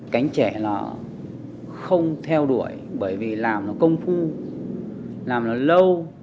cánh trẻ nó không theo đuổi bởi vì làm nó công phu làm nó lâu